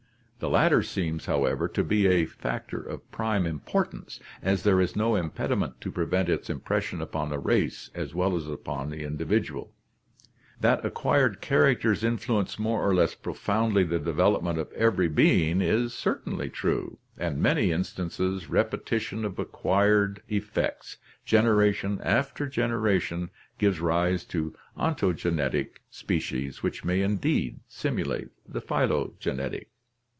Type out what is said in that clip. The latter seems, however, to be a factor of prime importance, as there is no impedi ment to prevent its impression upon the race as well as upon the individual. That acquired characters influence more or less pro foundly the development of every being is certainly true, and in 174 ORGANIC EVOLUTION many instances repetition of acquired effects, generation after generation, gives rise to ontogenetic species which may indeed simu late the phylogenetic.